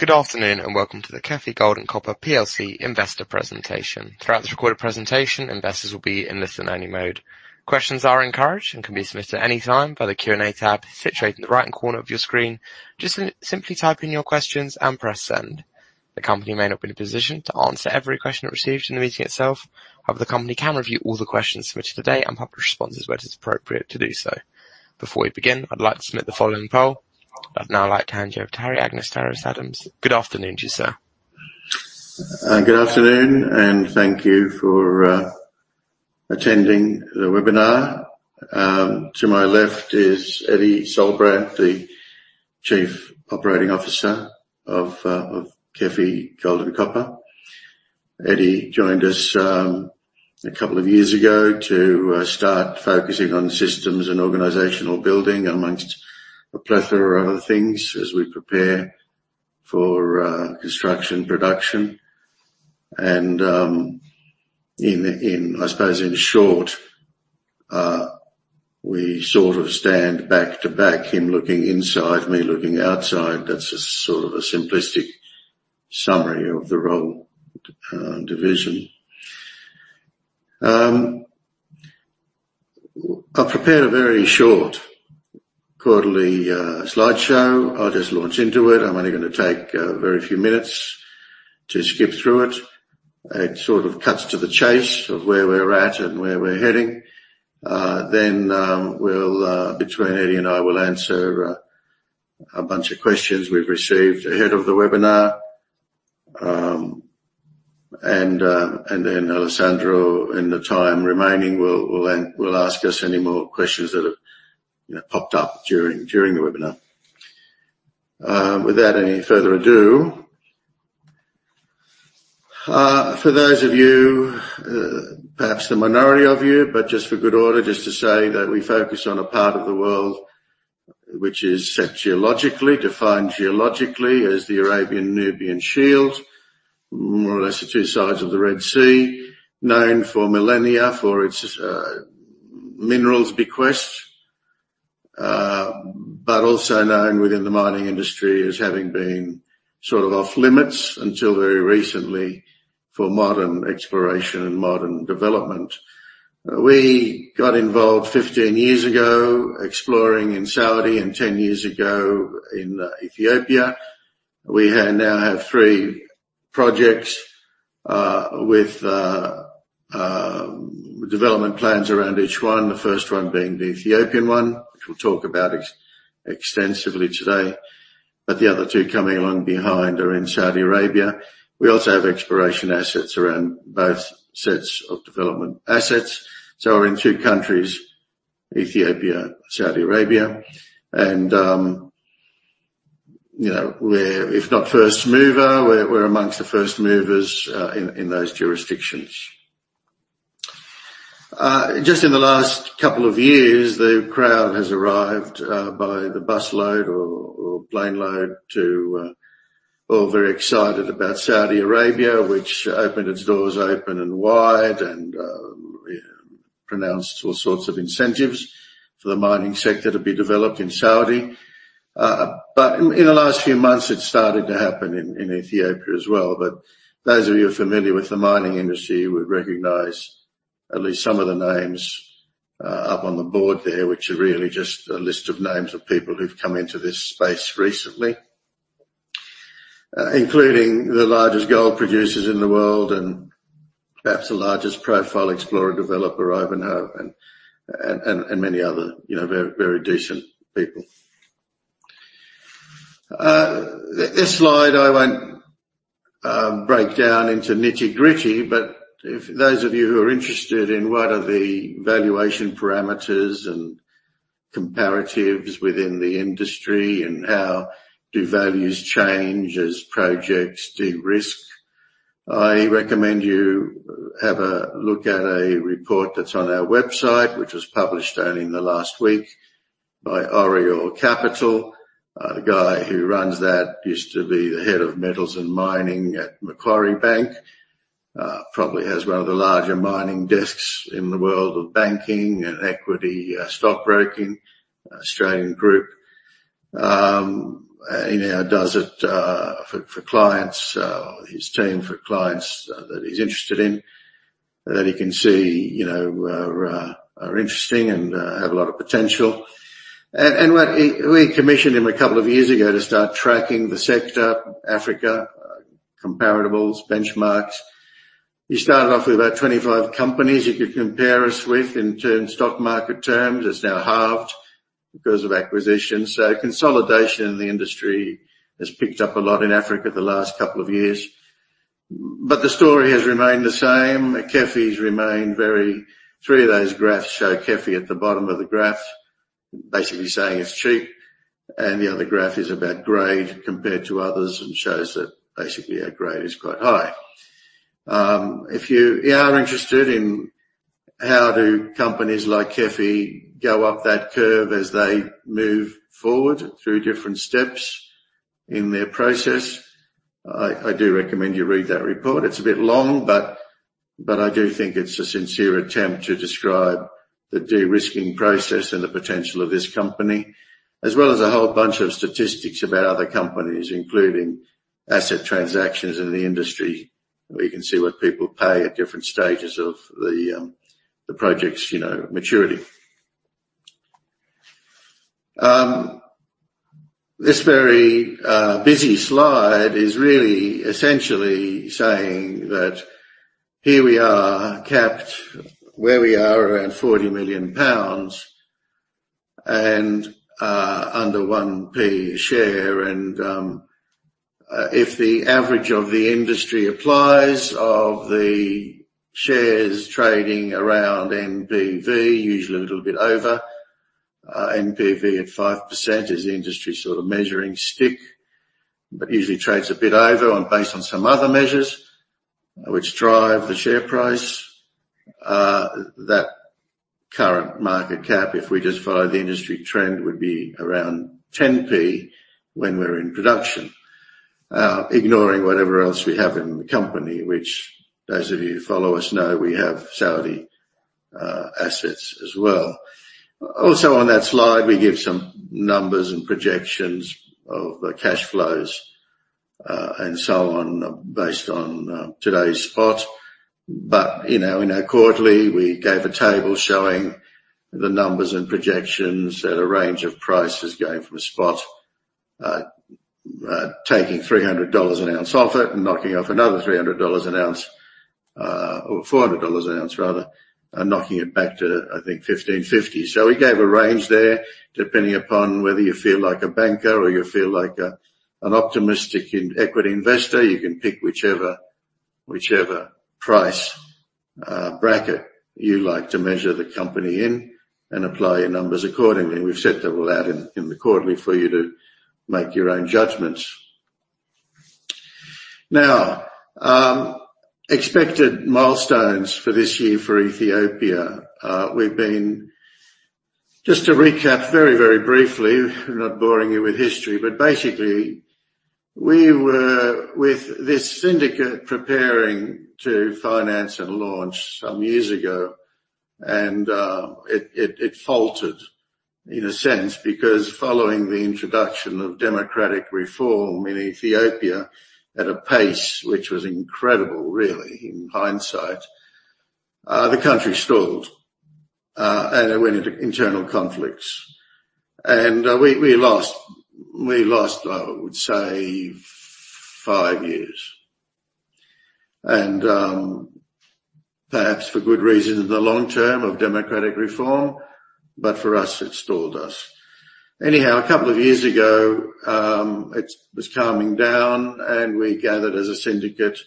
Good afternoon, and welcome to the KEFI Gold and Copper PLC Investor Presentation. Throughout this recorded presentation, investors will be in listen-only mode. Questions are encouraged and can be submitted any time by the Q&A tab situated in the right-hand corner of your screen. Just simply type in your questions and press send. The company may not be in a position to answer every question it receives in the meeting itself. However, the company can review all the questions submitted today and publish responses where it is appropriate to do so. Before we begin, I'd like to submit the following poll. I'd now like to hand you over to Harry Anagnostaras-Adams. Good afternoon to you, sir. Good afternoon, and thank you for attending the webinar. To my left is Eddy Solbrandt, the Chief Operating Officer of KEFI Gold and Copper. Eddy joined us a couple of years ago to start focusing on systems and organizational building amongst a plethora of other things as we prepare for construction, production. In short, we sort of stand back-to-back, him looking inside, me looking outside. That's a sort of simplistic summary of the role, division. I've prepared a very short quarterly slideshow. I'll just launch into it. I'm only gonna take a very few minutes to skip through it. It sort of cuts to the chase of where we're at and where we're heading. Between Eddie and I, we'll answer a bunch of questions we've received ahead of the webinar. Alessandro, in the time remaining, will ask us any more questions that have you know popped up during the webinar. Without any further ado. For those of you, perhaps the minority of you but just for good order, just to say that we focus on a part of the world which is set geologically, defined geologically as the Arabian Nubian Shield, more or less the two sides of the Red Sea, known for millennia for its minerals bequest. Also known within the mining industry as having been sort of off-limits until very recently for modern exploration and modern development. We got involved 15 years ago, exploring in Saudi and 10 years ago in Ethiopia. We now have three projects with development plans around each one. The first one being the Ethiopian one, which we'll talk about extensively today. The other two coming along behind are in Saudi Arabia. We also have exploration assets around both sets of development assets. We're in two countries, Ethiopia, Saudi Arabia. We're, if not first mover, we're amongst the first movers in those jurisdictions. Just in the last couple of years the crowd has arrived by the busload or planeload too. All very excited about Saudi Arabia which opened its doors open and wide and pronounced all sorts of incentives for the mining sector to be developed in Saudi. In the last few months, it's started to happen in Ethiopia as well. Those of you who are familiar with the mining industry would recognize at least some of the names up on the board there, which are really just a list of names of people who've come into this space recently. Including the largest gold producers in the world and perhaps the largest profile explorer developer, Ivanhoe and many other, you know, very decent people. This slide, I won't break down into nitty-gritty, but if those of you who are interested in what are the valuation parameters and comparatives within the industry and how do values change as projects de-risk, I recommend you have a look at a report that's on our website, which was published only in the last week by Oriole Capital. The guy who runs that used to be the head of metals and mining at Macquarie Bank. Probably has one of the larger mining desks in the world of banking and equity, stockbroking, Australian group. He now does it for clients, his team for clients that he's interested in, that he can see, you know, are interesting and have a lot of potential. We commissioned him a couple of years ago to start tracking the sector, Africa, comparables, benchmarks. He started off with about 25 companies you could compare us with in terms, stock market terms. It's now halved because of acquisitions. Consolidation in the industry has picked up a lot in Africa the last couple of years. The story has remained the same. KEFI's remained very... Three of those graphs show KEFI at the bottom of the graph, basically saying it's cheap. The other graph is about grade compared to others and shows that basically our grade is quite high. If you are interested in how do companies like KEFI go up that curve as they move forward through different steps in their process, I do recommend you read that report. It's a bit long but I do think it's a sincere attempt to describe the de-risking process and the potential of this company, as well as a whole bunch of statistics about other companies including asset transactions in the industry where you can see what people pay at different stages of the project's, you know, maturity. This very busy slide is really essentially saying that here we are capped where we are around 40 million pounds and under 1p share. If the average of the industry applies of the shares trading around NPV, usually a little bit over. NPV at 5% is the industry sort of measuring stick but usually trades a bit over based on some other measures which drive the share price. That current market cap, if we just follow the industry trend would be around 10p when we're in production. Ignoring whatever else we have in the company which those of you who follow us know we have Saudi assets as well. Also on that slide, we give some numbers and projections of the cash flows and so on based on today's spot. You know, in our quarterly, we gave a table showing the numbers and projections at a range of prices going from a spot, taking $300 an ounce off it and knocking off another $300 an ounce or $400 an ounce rather and knocking it back to, I think, $1,550. We gave a range there, depending upon whether you feel like a banker or you feel like an optimistic equity investor. You can pick whichever price bracket you like to measure the company in and apply your numbers accordingly. We've set that all out in the quarterly for you to make your own judgments. Expected milestones for this year for Ethiopia. We've been... Just to recap very, very briefly, I'm not boring you with history, but basically we were with this syndicate preparing to finance and launch some years ago, and it faltered in a sense because following the introduction of democratic reform in Ethiopia at a pace which was incredible really in hindsight, the country stalled and it went into internal conflicts. We lost five years. Perhaps for good reason in the long term of democratic reform but for us, it stalled us. Anyhow, a couple of years ago, it was calming down and we gathered as a syndicate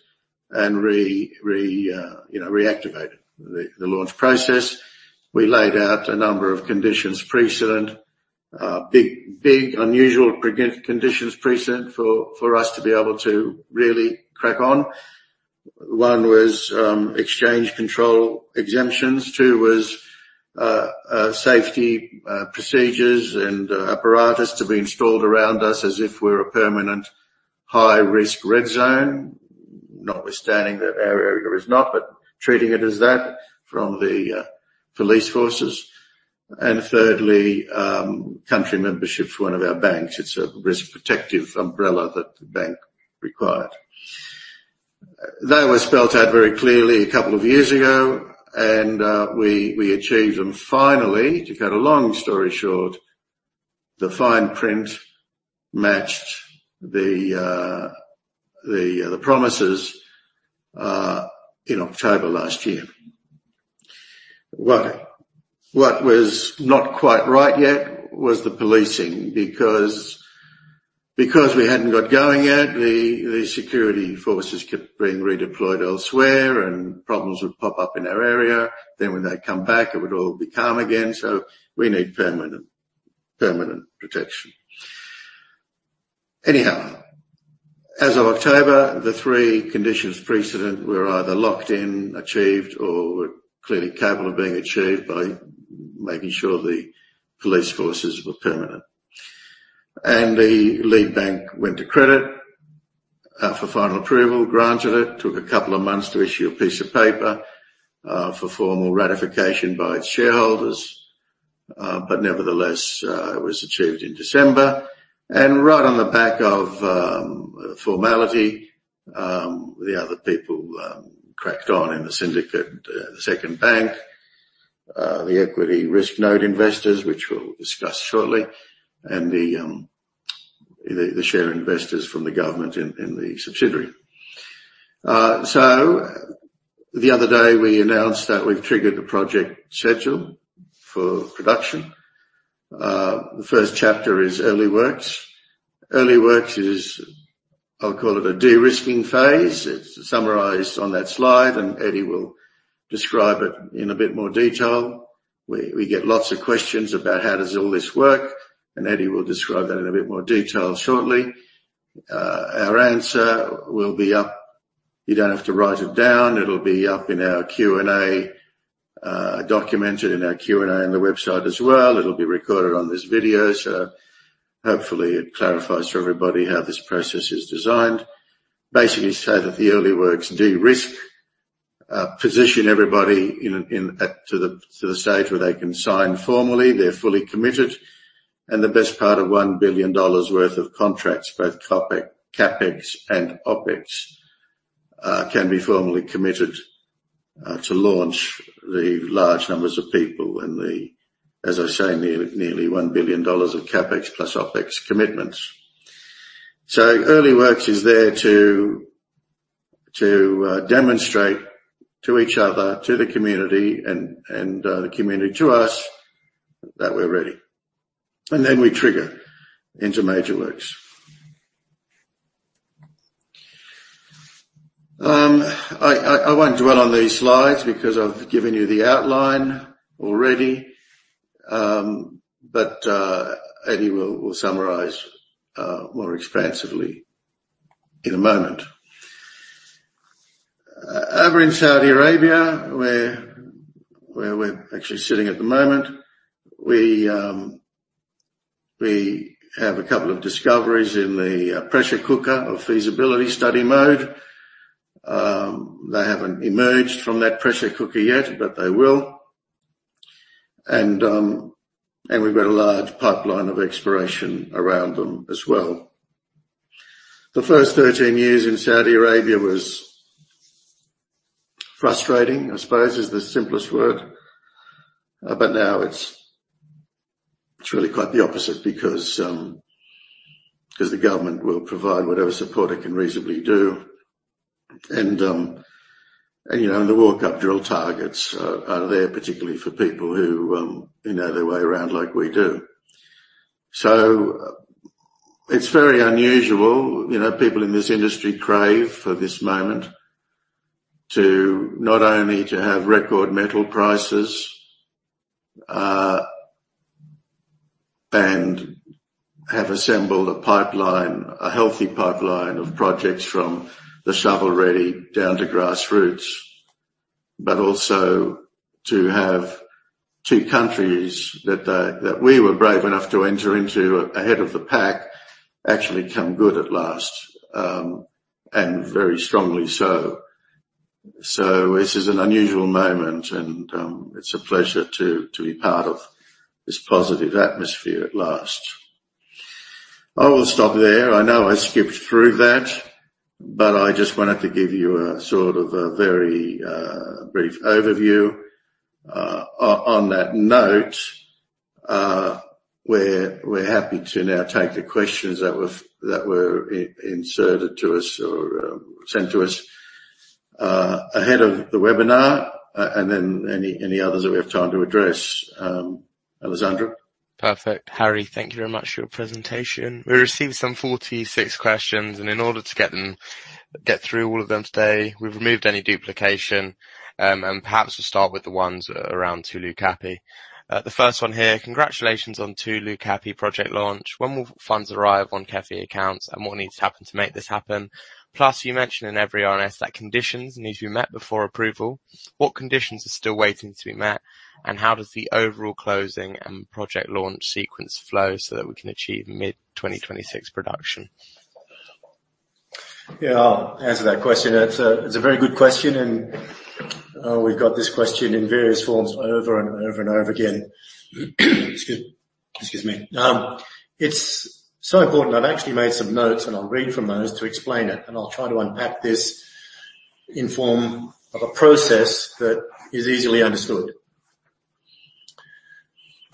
and reactivated the launch process. We laid out a number of conditions precedent. Big unusual preconditions precedent for us to be able to really crack on. One was exchange control exemptions. Two was safety procedures and apparatus to be installed around us as if we're a permanent high-risk red zone. Notwithstanding that our area is not but treating it as that from the police forces. Thirdly, country membership to one of our banks. It's a risk protective umbrella that the bank required. They were spelled out very clearly a couple of years ago and we achieved them finally. To cut a long story short, the fine print matched the promises in October last year. What was not quite right yet was the policing because we hadn't got going yet, the security forces kept being redeployed elsewhere and problems would pop up in our area. When they'd come back, it would all be calm again. We need permanent protection. Anyhow, as of October, the three conditions precedent were either locked in, achieved or were clearly capable of being achieved by making sure the police forces were permanent. The lead bank went to credit for final approval and granted it. It took a couple of months to issue a piece of paper for formal ratification by its shareholders. Nevertheless, it was achieved in December. Right on the back of formality, the other people cracked on in the syndicate, the second bank. The Equity Risk Note investors, which we'll discuss shortly, and the share investors from the government in the subsidiary. The other day, we announced that we've triggered the project schedule for production. The first chapter is early works. Early works is, I'll call it a de-risking phase. It's summarized on that slide and Eddie will describe it in a bit more detail. We get lots of questions about how does all this work, and Eddie will describe that in a bit more detail shortly. Our answer will be up. You don't have to write it down. It'll be up in our Q&A, documented in our Q&A on the website as well. It'll be recorded on this video so hopefully it clarifies to everybody how this process is designed. Basically say that the early works de-risk position everybody in at to the stage where they can sign formally, they're fully committed. The best part of $1 billion worth of contracts, both CapEx and OpEx, can be formally committed to launch the large numbers of people and the, as I say, nearly $1 billion of CapEx plus OpEx commitments. Early works is there to demonstrate to each other, to the community and the community to us that we're ready. Then we trigger into major works. I won't dwell on these slides because I've given you the outline already but Eddie will summarize more expansively in a moment. Over in Saudi Arabia, where we're actually sitting at the moment, we have a couple of discoveries in the pressure cooker of feasibility study mode. They haven't emerged from that pressure cooker yet but they will. We've got a large pipeline of exploration around them as well. The first 13 years in Saudi Arabia were frustrating, I suppose, is the simplest word. Now it's really quite the opposite because the government will provide whatever support it can reasonably do. You know, the walk-up drill targets are there particularly for people who know their way around like we do. It's very unusual, you know. People in this industry crave for this moment to not only have record metal prices and have assembled a pipeline, a healthy pipeline of projects from the shovel-ready down to grassroots. Also to have two countries that we were brave enough to enter into ahead of the pack, actually come good at last and very strongly so. This is an unusual moment and it's a pleasure to be part of this positive atmosphere at last. I will stop there. I know I skipped through that. I just wanted to give you a sort of a very brief overview. On that note, we're happy to now take the questions that were inserted to us or sent to us ahead of the webinar and then any others that we have time to address. Alessandro? Perfect. Harry, thank you very much for your presentation. We received some 46 questions, and in order to get through all of them today, we've removed any duplication. Perhaps we'll start with the ones around Tulu Kapi. The first one here. Congratulations on Tulu Kapi project launch. When will funds arrive on CapEx accounts and what needs to happen to make this happen? Plus, you mentioned in every RNS that conditions need to be met before approval. What conditions are still waiting to be met and how does the overall closing and project launch sequence flow so that we can achieve mid-2026 production? Yeah, I'll answer that question. It's a very good question and we've got this question in various forms over and over and over again. Excuse me. It's so important I've actually made some notes and I'll read from those to explain it and I'll try to unpack this in form of a process that is easily understood.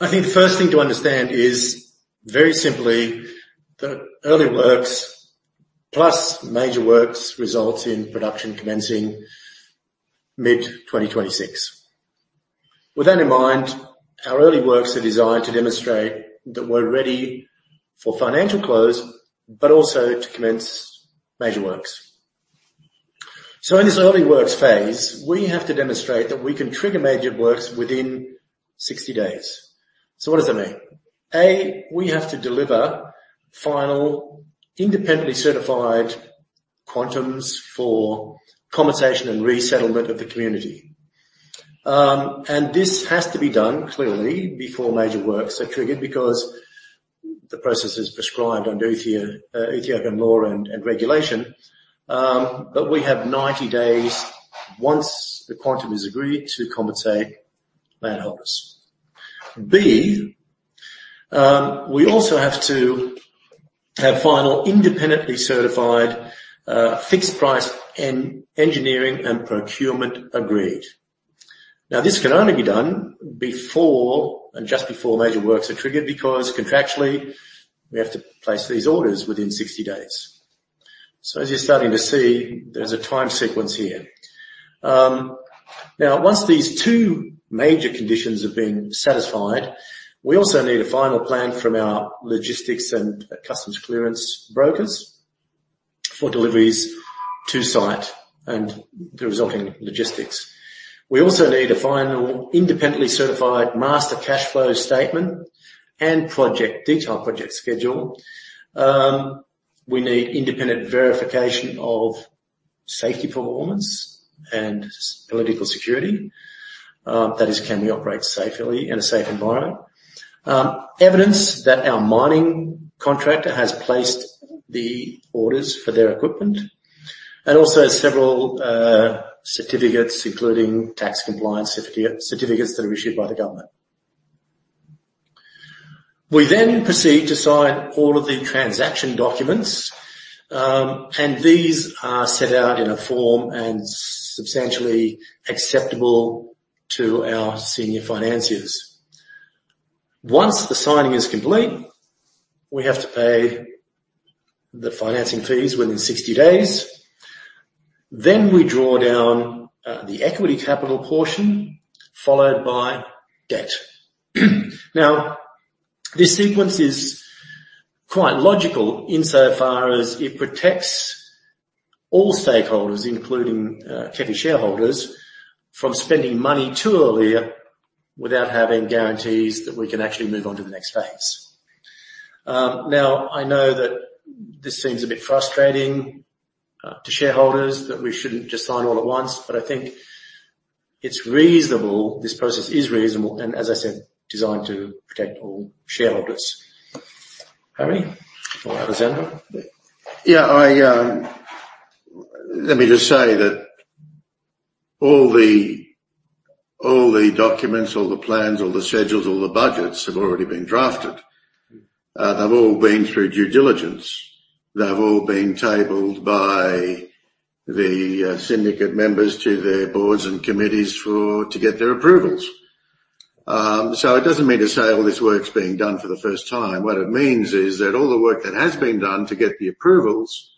I think the first thing to understand is very simply the early works plus major works results in production commencing mid-2026. With that in mind, our early works are designed to demonstrate that we're ready for financial close, but also to commence major works. In this early works phase, we have to demonstrate that we can trigger major works within 60 days. What does that mean? A, we have to deliver final independently certified quantums for compensation and resettlement of the community. This has to be done clearly before major works are triggered because the process is prescribed under Ethiopian law and regulation. We have 90 days once the quantum is agreed to compensate landholders. B, we also have to have final independently certified fixed price engineering and procurement agreed. This can only be done before and just before major works are triggered because contractually we have to place these orders within 60 days. As you're starting to see, there's a time sequence here. Once these two major conditions have been satisfied, we also need a final plan from our logistics and customs clearance brokers for deliveries to site and the resulting logistics. We also need a final independently certified master cash flow statement and detailed project schedule. We need independent verification of safety performance and socio-political security. That is, can we operate safely in a safe environment. Evidence that our mining contractor has placed the orders for their equipment and also several certificates, including tax compliance certificates that are issued by the government. We then proceed to sign all of the transaction documents and these are set out in a form and substantially acceptable to our senior financiers. Once the signing is complete, we have to pay the financing fees within 60 days. We draw down the equity capital portion, followed by debt. Now, this sequence is quite logical insofar as it protects all stakeholders, including KEFI shareholders, from spending money too early without having guarantees that we can actually move on to the next phase. Now, I know that this seems a bit frustrating to shareholders, that we shouldn't just sign all at once but I think it's reasonable. This process is reasonable and, as I said, designed to protect all shareholders. Harry or Alessandro? Yeah, I. Let me just say that all the documents, all the plans, all the schedules, all the budgets have already been drafted. They've all been through due diligence. They've all been tabled by the syndicate members to their boards and committees to get their approvals. It doesn't mean to say all this work's being done for the first time. What it means is that all the work that has been done to get the approvals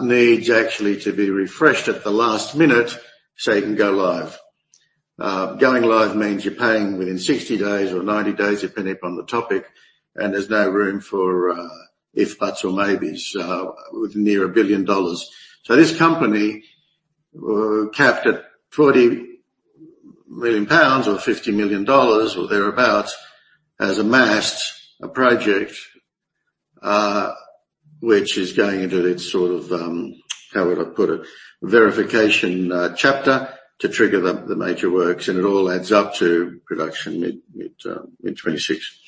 needs actually to be refreshed at the last minute, so you can go live. Going live means you're paying within 60 days or 90 days, depending upon the topic and there's no room for ifs, buts or maybes with near $1 billion. This company, capped at 40 million pounds or $50 million or thereabout, has amassed a project which is going into its sort of, how would I put it? Verification chapter to trigger the major works, and it all adds up to production mid 2026.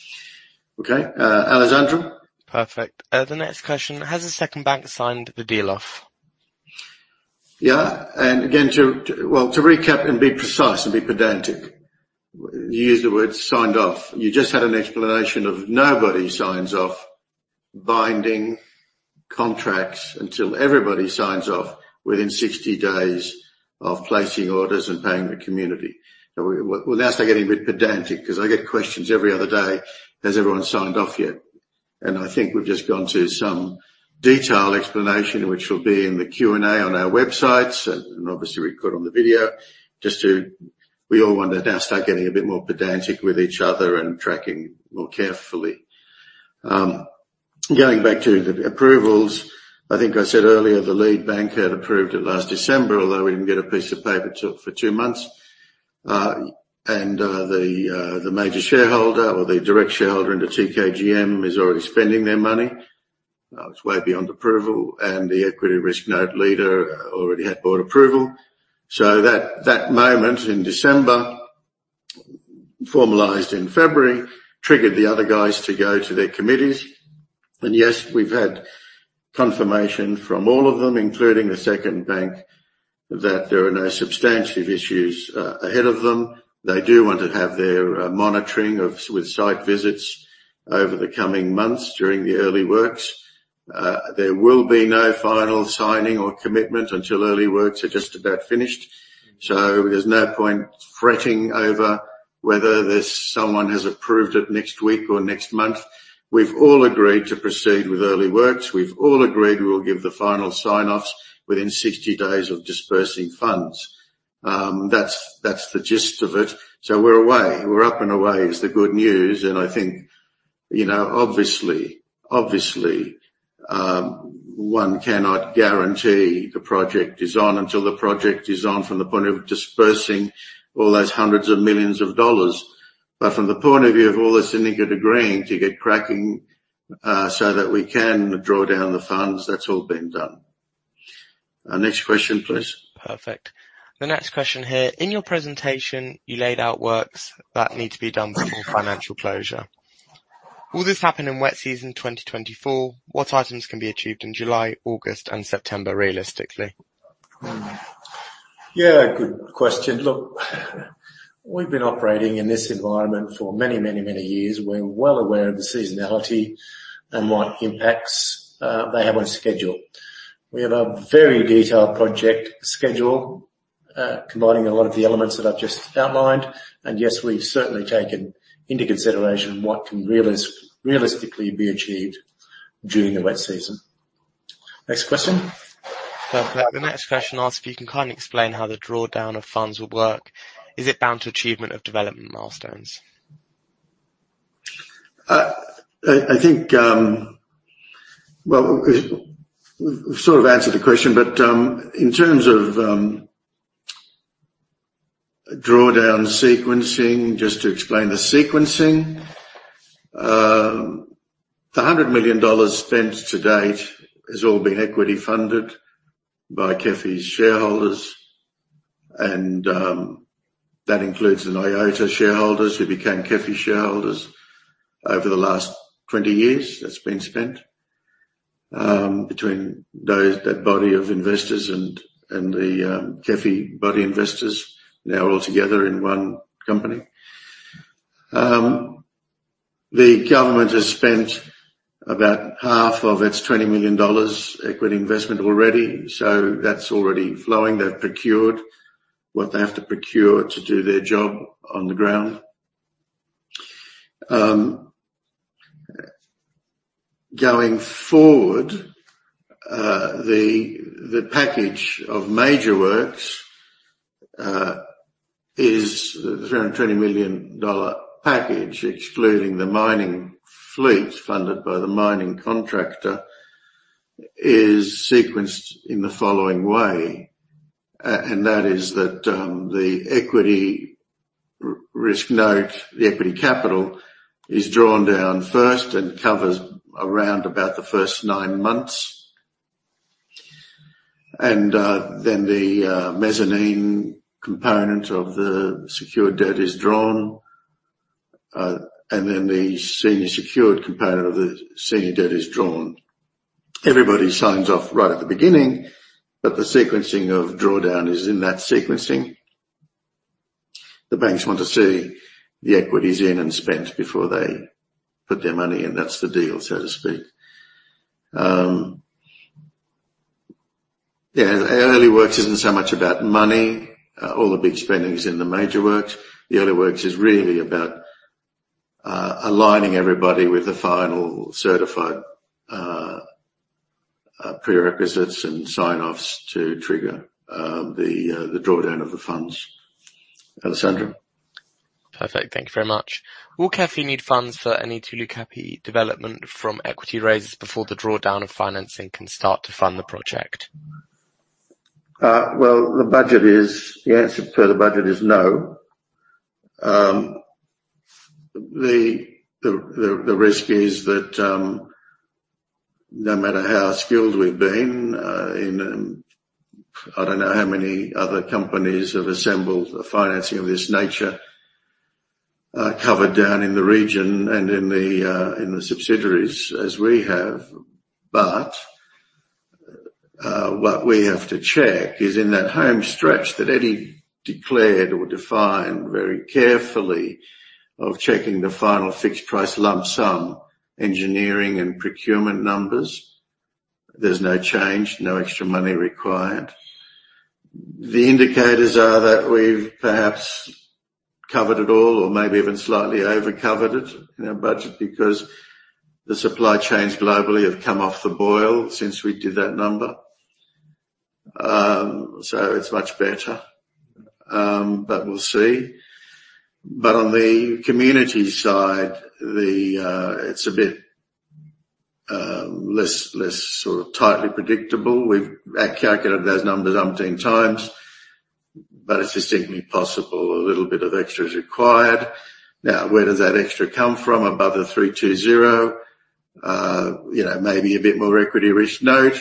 Okay. Alessandro? Perfect. The next question: Has the second bank signed the deal off? Yeah. To recap and be precise and be pedantic, you used the word "signed off." You just had an explanation of nobody signs off binding contracts until everybody signs off within 60 days of placing orders and paying the community. Now start getting a bit pedantic because I get questions every other day, "Has everyone signed off yet?" I think we've just gone to some detailed explanation, which will be in the Q&A on our websites and obviously recorded on the video. We all want to now start getting a bit more pedantic with each other and tracking more carefully. Going back to the approvals, I think I said earlier the lead bank had approved it last December, although we didn't get a piece of paper till two months. The major shareholder or the direct shareholder into TKGM is already spending their money. It's way beyond approval. The Equity Risk Note leader already had board approval. That moment in December, formalized in February, triggered the other guys to go to their committees. Yes, we've had confirmation from all of them, including the second bank, that there are no substantive issues ahead of them. They do want to have their monitoring of, with site visits over the coming months during the early works. There will be no final signing or commitment until early works are just about finished. There's no point fretting over whether someone has approved it next week or next month. We've all agreed to proceed with early works. We've all agreed we'll give the final sign-offs within 60 days of dispersing funds. That's the gist of it. We're away. We're up and away is the good news. I think, you know, obviously, one cannot guarantee the project is on until the project is on from the point of dispersing all those hundreds of millions of dollars. From the point of view of all the syndicate agreeing to get cracking so that we can draw down the funds, that's all been done. Next question, please. Perfect. The next question here: In your presentation, you laid out works that need to be done before financial closure. Will this happen in wet season 2024? What items can be achieved in July, August, and September, realistically? Yeah, good question. Look, we've been operating in this environment for many years. We're well aware of the seasonality and what impacts they have on schedule. We have a very detailed project schedule, combining a lot of the elements that I've just outlined. Yes, we've certainly taken into consideration what can realistically be achieved during the wet season. Next question. Perfect. The next question asks if you can kind of explain how the drawdown of funds would work. Is it bound to achievement of development milestones? Well, I think we've sort of answered the question but in terms of drawdown sequencing. Just to explain the sequencing. The $100 million spent to date has all been equity funded by KEFI's shareholders. That includes the Nyota shareholders who became KEFI shareholders over the last twenty years. That's been spent between that body of investors and the KEFI body investors now all together in one company. The government has spent about half of its $20 million equity investment already. That's already flowing. They've procured what they have to procure to do their job on the ground. Going forward, the package of major works is the $220 million dollar package, excluding the mining fleet funded by the mining contractor is sequenced in the following way. That is that, the Equity Risk Note, the equity capital is drawn down first and covers around about the first nine months. Then the mezzanine component of the secured debt is drawn, and then the senior secured component of the senior debt is drawn. Everybody signs off right at the beginning but the sequencing of drawdown is in that sequencing. The banks want to see the equities in and spent before they put their money in. That's the deal, so to speak. Early works isn't so much about money. All the big spending is in the major works. The early works is really about aligning everybody with the final certified prerequisites and sign-offs to trigger the drawdown of the funds. Alessandro? Perfect. Thank you very much. Will KEFI need funds for any Tulu Kapi development from equity raises before the drawdown of financing can start to fund the project? Well, the answer to the budget is no. The risk is that, no matter how skilled we've been, I don't know how many other companies have assembled a financing of this nature, covered down in the region and in the subsidiaries as we have. What we have to check is in that home stretch that Eddie declared or defined very carefully of checking the final fixed price lump sum engineering and procurement numbers. There's no change, no extra money required. The indicators are that we've perhaps covered it all or maybe even slightly over-covered it in our budget because the supply chains globally have come off the boil since we did that number. It's much better. We'll see. On the community side, it's a bit less sort of tightly predictable. We've re-calculated those numbers umpteen times, but it's distinctly possible a little bit of extra is required. Now, where does that extra come from above the 320 million? You know, maybe a bit more Equity Risk Note,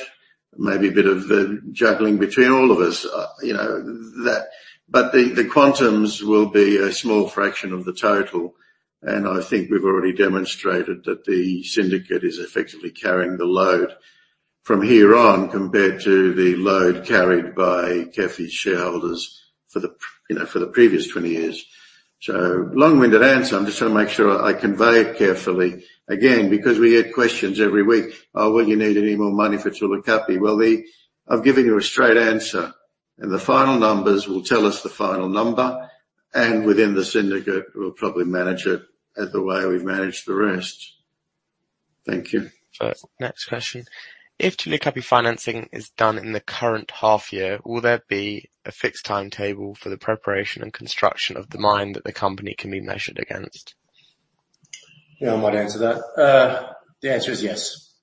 maybe a bit of juggling between all of us. You know, that. The quantum will be a small fraction of the total and I think we've already demonstrated that the syndicate is effectively carrying the load from here on, compared to the load carried by KEFI shareholders for the previous 20 years. Long-winded answer. I'm just trying to make sure I convey it carefully. Again, because we get questions every week. "Oh, will you need any more money for Tulu Kapi?" Well, the I've given you a straight answer and the final numbers will tell us the final number, and within the syndicate, we'll probably manage it as the way we've managed the rest. Thank you. Perfect. Next question. If Tulu Kapi financing is done in the current half year, will there be a fixed timetable for the preparation and construction of the mine that the company can be measured against? Yeah, I might answer that. The answer is yes.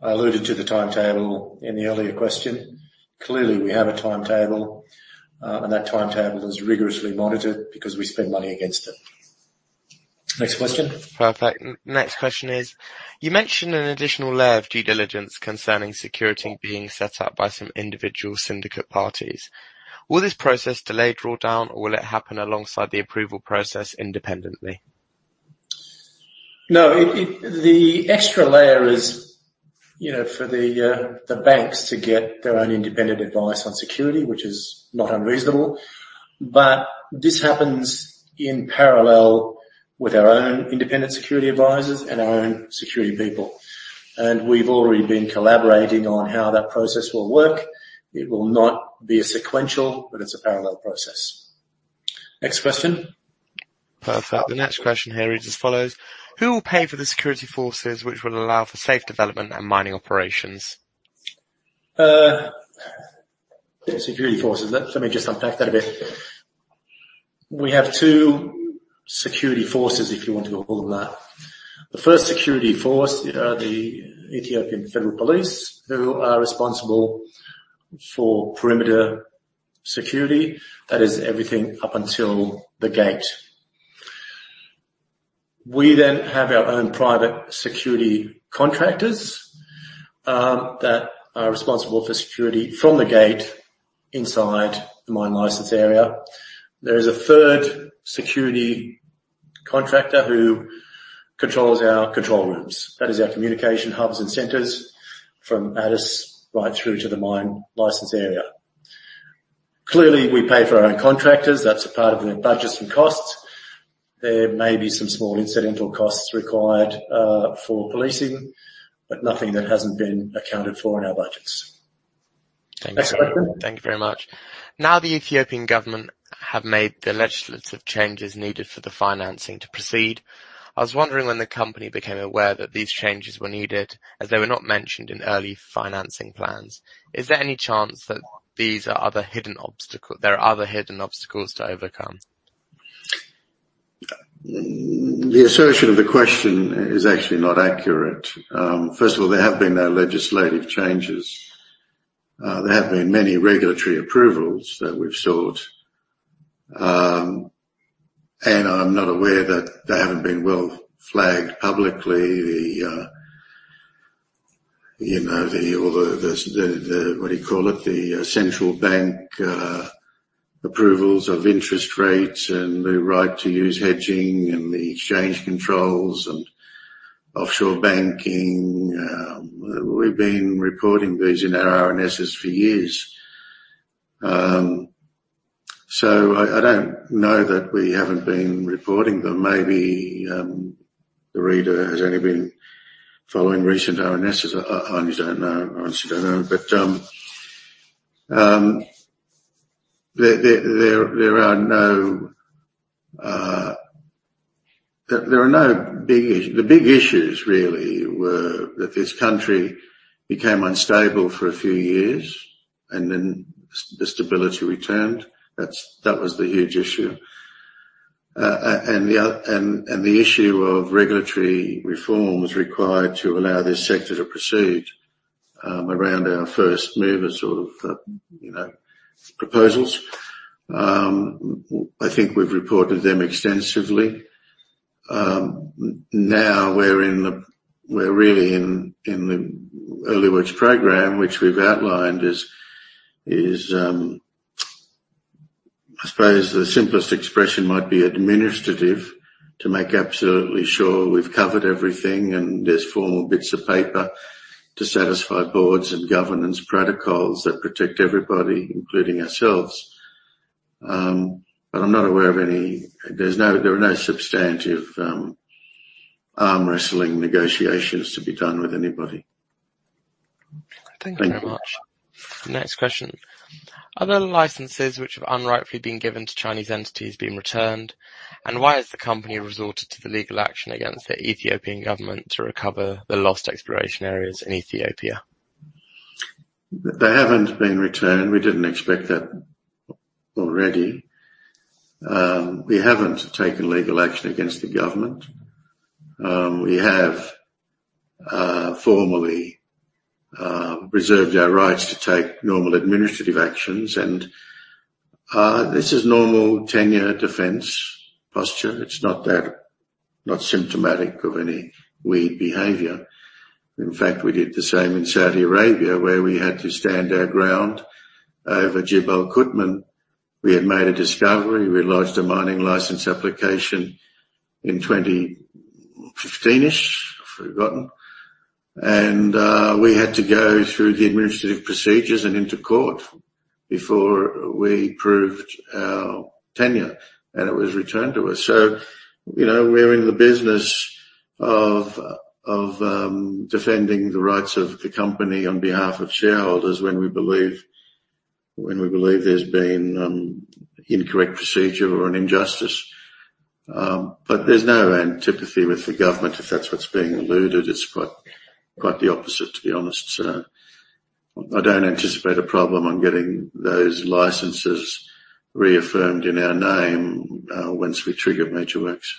I alluded to the timetable in the earlier question. Clearly, we have a timetable and that timetable is rigorously monitored because we spend money against it. Next question. Perfect. Next question is, you mentioned an additional layer of due diligence concerning security being set up by some individual syndicate parties. Will this process delay drawdown or will it happen alongside the approval process independently? No. The extra layer is, you know, for the banks to get their own independent advice on security which is not unreasonable. This happens in parallel with our own independent security advisors and our own security people. We've already been collaborating on how that process will work. It will not be a sequential but it's a parallel process. Next question. Perfect. The next question here reads as follows: Who will pay for the security forces which will allow for safe development and mining operations? Security forces. Let me just unpack that a bit. We have two- Security forces, if you want to call them that. The first security force are the Ethiopian Federal Police, who are responsible for perimeter security. That is everything up until the gate. We then have our own private security contractors that are responsible for security from the gate inside the mine license area. There is a third security contractor who controls our control rooms. That is our communication hubs and centers from Addis right through to the mine license area. Clearly, we pay for our own contractors. That's a part of their budgets and costs. There may be some small incidental costs required for policing but nothing that hasn't been accounted for in our budgets. Thank you, sir. Next question. Thank you very much. Now, the Ethiopian government have made the legislative changes needed for the financing to proceed. I was wondering when the company became aware that these changes were needed, as they were not mentioned in early financing plans. Is there any chance that there are other hidden obstacles to overcome? The assertion of the question is actually not accurate. First of all, there have been no legislative changes. There have been many regulatory approvals that we've sought and I'm not aware that they haven't been well flagged publicly. You know, all the central bank approvals of interest rates and the right to use hedging and the exchange controls and offshore banking. We've been reporting these in our RNSs for years. I don't know that we haven't been reporting them. Maybe the reader has only been following recent RNSs. I honestly don't know. There are no big issues. The big issues really were that this country became unstable for a few years and then the stability returned. That was the huge issue. The issue of regulatory reforms required to allow this sector to proceed around our first mover sort of, you know, proposals. I think we've reported them extensively. Now we're really in the early works program, which we've outlined is, I suppose the simplest expression might be administrative to make absolutely sure we've covered everything and there's formal bits of paper to satisfy boards and governance protocols that protect everybody, including ourselves. I'm not aware of any. There are no substantive arm wrestling negotiations to be done with anybody. Thank you very much. Thank you. Next question. Are there licenses which have wrongfully been given to Chinese entities being returned? And why has the company resorted to the legal action against the Ethiopian government to recover the lost exploration areas in Ethiopia? They haven't been returned. We didn't expect that already. We haven't taken legal action against the government. We have formally reserved our rights to take normal administrative actions and this is normal tenure defense posture. It's not that, not symptomatic of any weird behavior. In fact, we did the same in Saudi Arabia, where we had to stand our ground over Jibal Qutman. We had made a discovery. We lodged a mining license application in 2015-ish. I've forgotten. We had to go through the administrative procedures and into court before we proved our tenure and it was returned to us. You know, we're in the business of defending the rights of the company on behalf of shareholders when we believe there's been incorrect procedure or an injustice. There's no antipathy with the government, if that's what's being alluded. It's quite the opposite, to be honest. I don't anticipate a problem on getting those licenses reaffirmed in our name, once we trigger major works.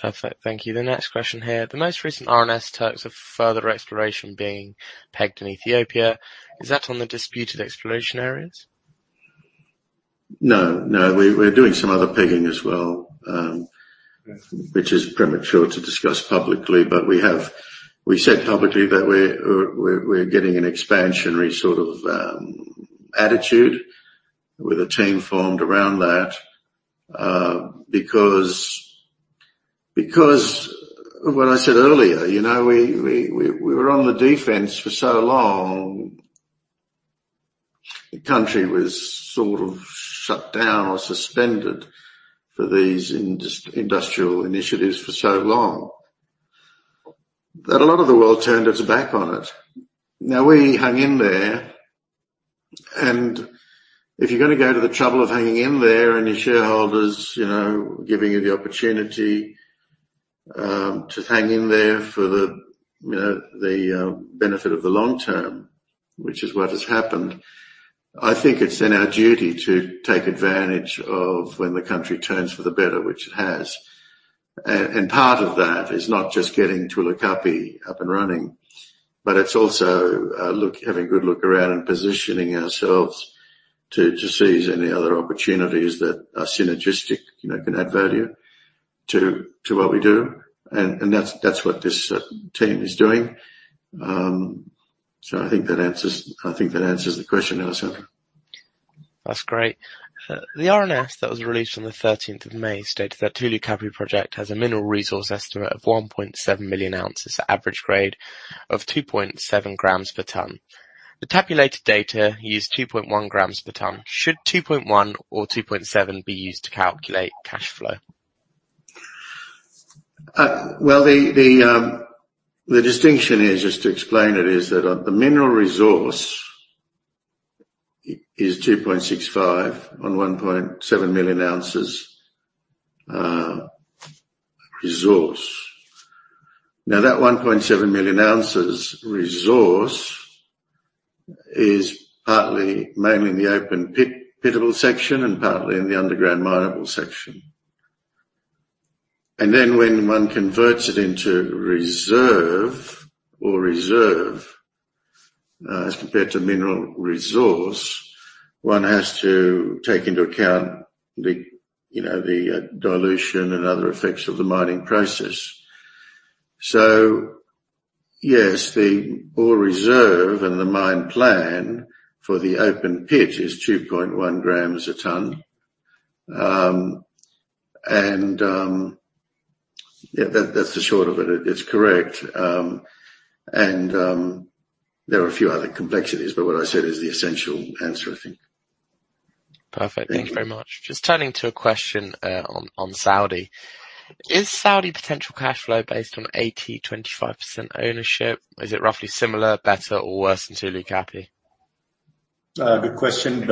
Perfect. Thank you. The next question here. The most recent RNS talks of further exploration being pegged in Ethiopia. Is that on the disputed exploration areas? No. We're doing some other pegging as well, which is premature to discuss publicly. We have said publicly that we're getting an expansionary sort of attitude with a team formed around that. Because when I said earlier, you know, we were on the defense for so long. The country was sort of shut down or suspended for these industrial initiatives for so long that a lot of the world turned its back on it. Now, we hung in there, and if you're gonna go to the trouble of hanging in there and your shareholders, you know, giving you the opportunity to hang in there for the, you know, benefit of the long term which is what has happened. I think it's in our duty to take advantage of when the country turns for the better, which it has. Part of that is not just getting Tulu Kapi up and running but it's also look, having a good look around and positioning ourselves to seize any other opportunities that are synergistic, you know, can add value to what we do. That's what this team is doing. I think that answers the question, Alessandro. That's great. The RNS that was released on the thirteenth of May states that Tulu Kapi project has a mineral resource estimate of 1.7 million ounces at average grade of 2.7 grams per ton. The tabulated data used 2.1 grams per ton. Should 2.1 or 2.7 be used to calculate cash flow? Well, the distinction is, just to explain it, is that the Mineral Resource is 2.65 on 1.7 million ounces resource. Now, that 1.7 million ounces resource is partly mainly in the open pittable section and partly in the underground mineable section. When one converts it into reserve, as compared to Mineral Resource, one has to take into account you know, the dilution and other effects of the mining process. Yes, the Ore Reserve and the mine plan for the open pit is 2.1 grams a ton. Yeah, that's the short of it. It is correct. There are a few other complexities but what I said is the essential answer, I think. Perfect. Thank you. Thank you very much. Just turning to a question on Saudi. Is Saudi potential cash flow based on 80/25% ownership? Is it roughly similar, better, or worse than Tulu Kapi? Good question,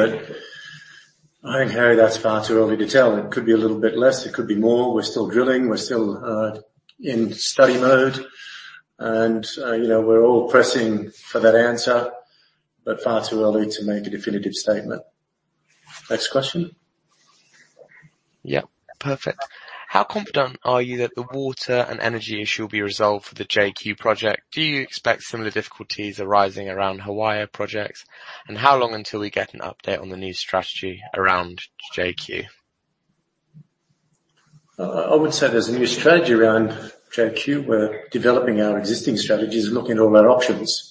I think, Harry, that's far too early to tell. It could be a little bit less. It could be more. We're still drilling. We're still in study mode. You know, we're all pressing for that answer but far too early to make a definitive statement. Next question. Yeah. Perfect. How confident are you that the water and energy issue will be resolved for the JQ project? Do you expect some of the difficulties arising around Hawiah projects? How long until we get an update on the new strategy around JQ? I would say there's a new strategy around JQ. We're developing our existing strategies, looking at all our options.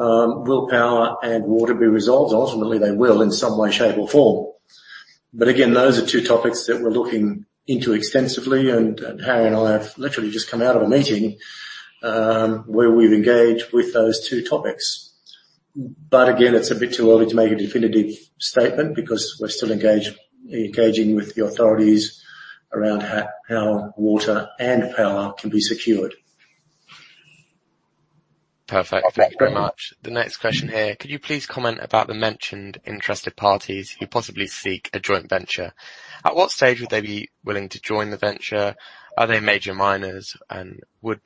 Will power and water be resolved? Ultimately, they will, in some way, shape, or form. Again, those are two topics that we're looking into extensively and Harry and I have literally just come out of a meeting, where we've engaged with those two topics. Again, it's a bit too early to make a definitive statement because we're still engaging with the authorities around how water and power can be secured. Perfect. Thank you very much. The next question here. Could you please comment about the mentioned interested parties who possibly seek a joint venture? At what stage would they be willing to join the venture? Are they major miners? Would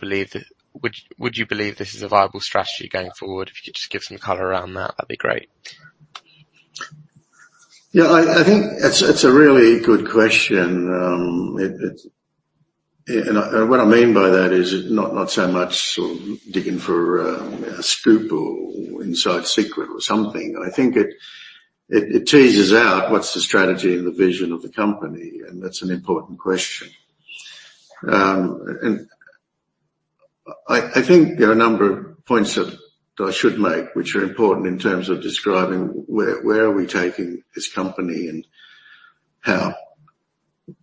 you believe this is a viable strategy going forward? If you could just give some color around that'd be great. Yeah, I think it's a really good question. What I mean by that is not so much digging for a scoop or inside secret or something. I think it teases out what's the strategy and the vision of the company, and that's an important question. I think there are a number of points that I should make which are important in terms of describing where are we taking this company and how,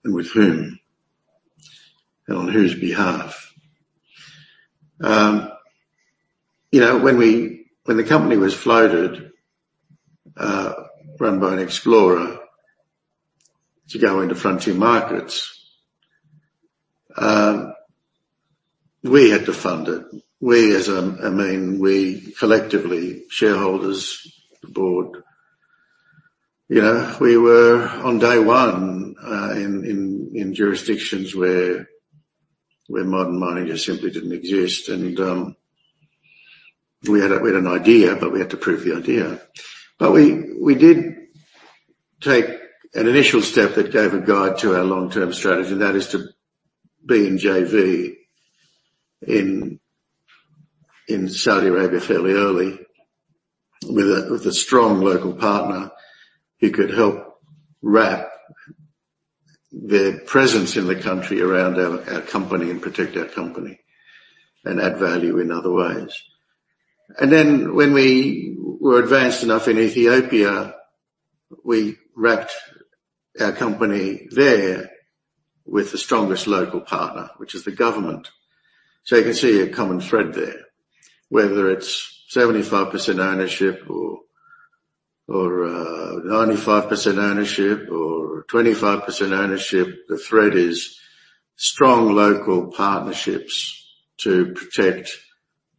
and with whom, and on whose behalf. You know, when the company was floated, run by an explorer to go into frontier markets, we had to fund it. I mean, we collectively, shareholders, the board. You know, we were on day one in jurisdictions where modern mining just simply didn't exist. We had an idea but we had to prove the idea. We did take an initial step that gave a guide to our long-term strategy, and that is to be in JV in Saudi Arabia fairly early with a strong local partner who could help wrap their presence in the country around our company and protect our company and add value in other ways. Then when we were advanced enough in Ethiopia, we wrapped our company there with the strongest local partner which is the government. You can see a common thread there. Whether it's 75% ownership or 95% ownership or 25% ownership, the thread is strong local partnerships to protect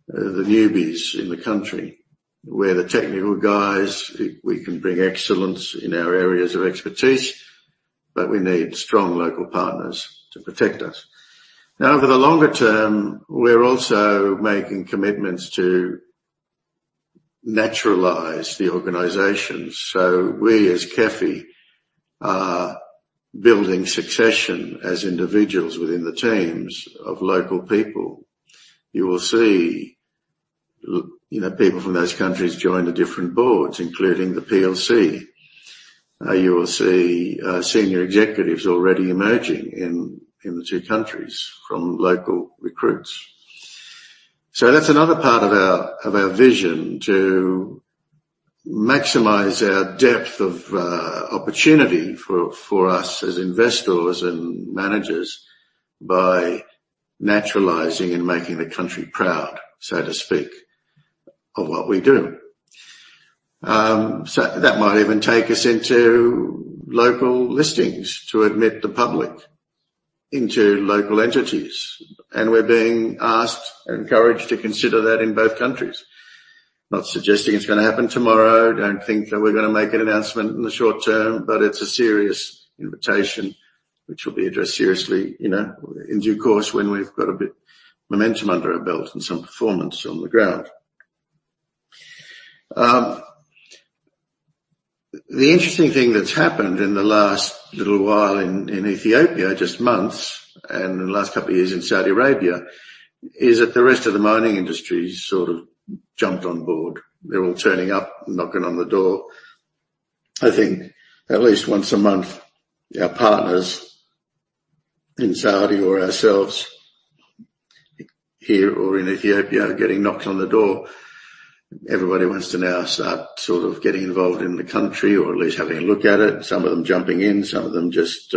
the newbies in the country. We're the technical guys. We can bring excellence in our areas of expertise but we need strong local partners to protect us. Now, over the longer term, we're also making commitments to naturalize the organization. We as KEFI are building succession as individuals within the teams of local people. You will see, you know, people from those countries join the different boards, including the PLC. You will see senior executives already emerging in the two countries from local recruits. That's another part of our vision to maximize our depth of opportunity for us as investors and managers by naturalizing and making the country proud, so to speak, of what we do. That might even take us into local listings to admit the public into local entities. We're being asked and encouraged to consider that in both countries. Not suggesting it's gonna happen tomorrow. Don't think that we're gonna make an announcement in the short term but it's a serious invitation which will be addressed seriously, you know, in due course when we've got a bit momentum under our belt and some performance on the ground. The interesting thing that's happened in the last little while in Ethiopia, just months, and the last couple of years in Saudi Arabia, is that the rest of the mining industry sort of jumped on board. They're all turning up, knocking on the door. I think at least once a month, our partners in Saudi or ourselves here or in Ethiopia are getting knocks on the door. Everybody wants to now start sort of getting involved in the country or at least having a look at it. Some of them jumping in, some of them just,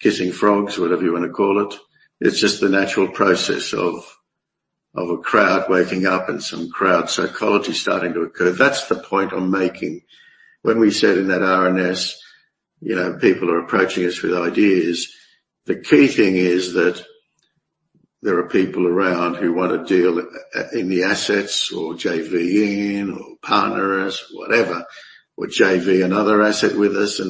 kissing frogs, whatever you wanna call it. It's just the natural process of a crowd waking up and some crowd psychology starting to occur. That's the point I'm making. When we said in that RNS, you know, people are approaching us with ideas, the key thing is that there are people around who want to deal in the assets or JV in or partner us, whatever, or JV another asset with us.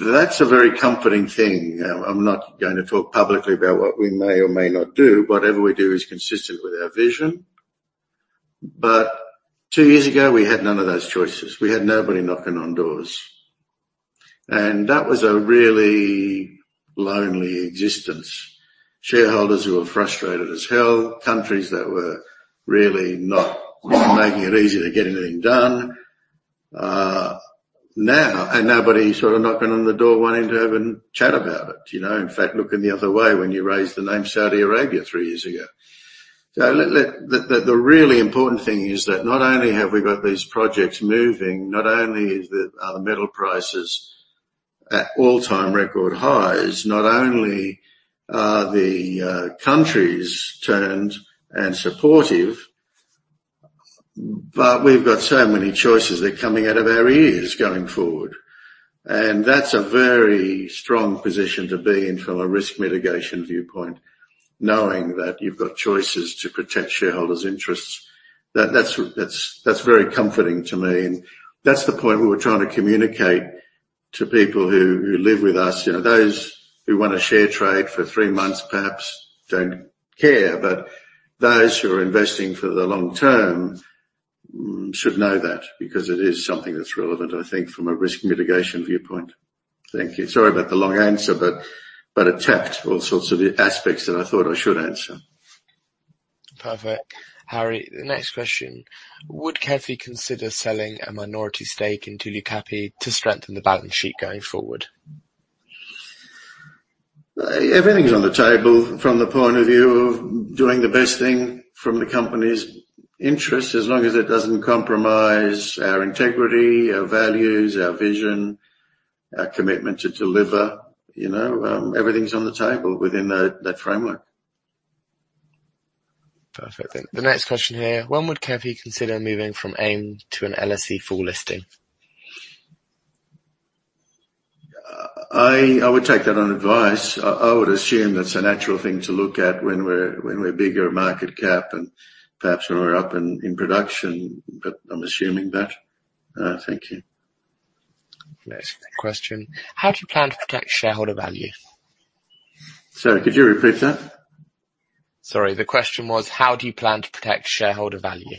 That's a very comforting thing. I'm not gonna talk publicly about what we may or may not do. Whatever we do is consistent with our vision. Two years ago, we had none of those choices. We had nobody knocking on doors. That was a really lonely existence. Shareholders who were frustrated as hell, countries that were really not making it easy to get anything done. Now, nobody sort of knocking on the door wanting to have a chat about it, you know. In fact, looking the other way when you raised the name Saudi Arabia three years ago. The really important thing is that not only have we got these projects moving, not only is the metal prices at all-time record highs, not only are the countries turned and supportive but we've got so many choices. They're coming out of our ears going forward. That's a very strong position to be in from a risk mitigation viewpoint, knowing that you've got choices to protect shareholders' interests. That's very comforting to me. That's the point we were trying to communicate to people who live with us. You know, those who want to short trade for three months perhaps don't care, but those who are investing for the long term should know that because it is something that's relevant, I think, from a risk mitigation viewpoint. Thank you. Sorry about the long answer, but it tapped all sorts of aspects that I thought I should answer. Perfect. Harry, the next question: Would KEFI consider selling a minority stake in Tulu Kapi to strengthen the balance sheet going forward? Everything's on the table from the point of view of doing the best thing from the company's interest, as long as it doesn't compromise our integrity, our values, our vision, our commitment to deliver. You know, everything's on the table within that framework. Perfect. The next question here: When would KEFI consider moving from AIM to an LSE full listing? I would take that on advice. I would assume that's a natural thing to look at when we're a bigger market cap and perhaps when we're up in production. I'm assuming that. Thank you. Next question: How do you plan to protect shareholder value? Sorry, could you repeat that? Sorry. The question was, how do you plan to protect shareholder value?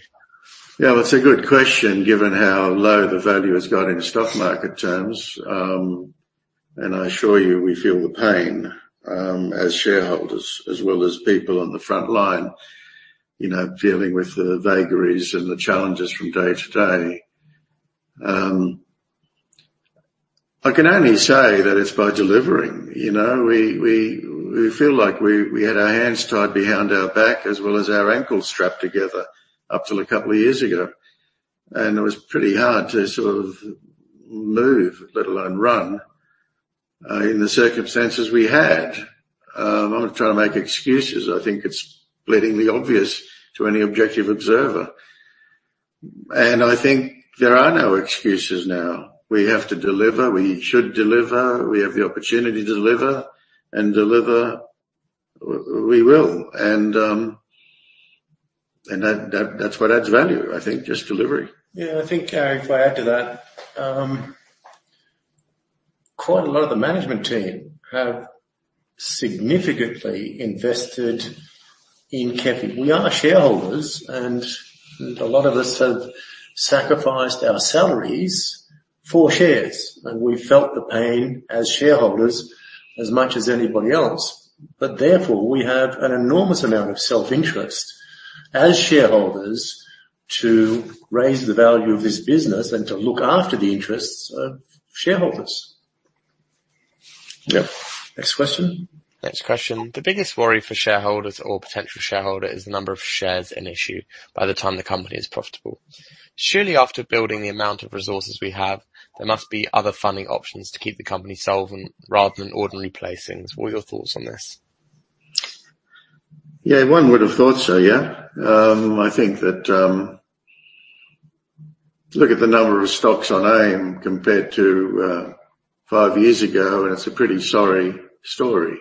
Yeah. That's a good question, given how low the value has gone in stock market terms. I assure you, we feel the pain, as shareholders as well as people on the front line, you know, dealing with the vagaries and the challenges from day to day. I can only say that it's by delivering. You know, we feel like we had our hands tied behind our back as well as our ankles strapped together up till a couple of years ago, and it was pretty hard to sort of move, let alone run, in the circumstances we had. I'm not trying to make excuses. I think it's bleedingly obvious to any objective observer. I think there are no excuses now. We have to deliver. We should deliver. We have the opportunity to deliver and deliver we will. That's what adds value, I think, just delivery. Yeah. I think, if I add to that, quite a lot of the management team have significantly invested in KEFI. We are shareholders and a lot of us have sacrificed our salaries for shares, and we felt the pain as shareholders as much as anybody else. Therefore, we have an enormous amount of self-interest as shareholders to raise the value of this business and to look after the interests of shareholders. Yeah. Next question. Next question. The biggest worry for shareholders or potential shareholder is the number of shares in issue by the time the company is profitable. Surely, after building the amount of resources we have, there must be other funding options to keep the company solvent rather than ordinary placings. What are your thoughts on this? Yeah. One would have thought so, yeah. I think that look at the number of stocks on AIM compared to 5 years ago and it's a pretty sorry story.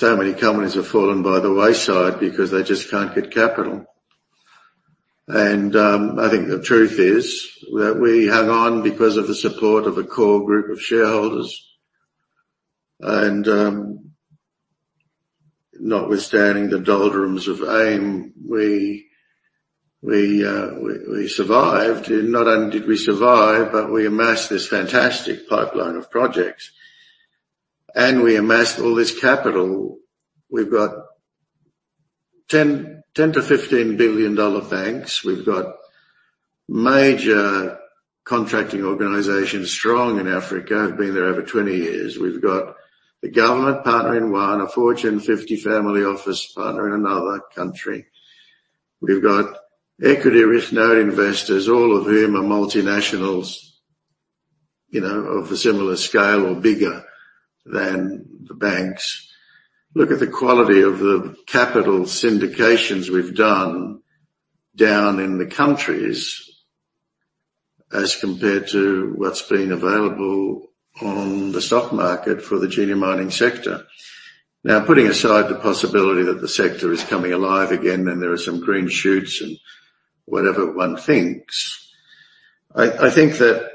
Many companies have fallen by the wayside because they just can't get capital. I think the truth is that we hung on because of the support of a core group of shareholders. Notwithstanding the doldrums of AIM, we survived. Not only did we survive but we amassed this fantastic pipeline of projects, and we amassed all this capital. We've got $10 billion-$15 billion banks. We've got major contracting organizations strong in Africa, have been there over 20 years. We've got the government partner in one, a Fortune 50 family office partner in another country. We've got Equity Risk Note investors, all of whom are multinationals, you know, of a similar scale or bigger than the banks. Look at the quality of the capital syndications we've done down in the countries as compared to what's been available on the stock market for the junior mining sector. Now, putting aside the possibility that the sector is coming alive again and there are some green shoots and whatever one thinks. I think that